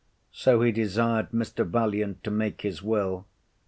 So he desired Mr. Valiant to make his will.